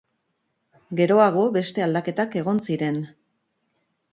Geroago beste aldaketak egon ziren.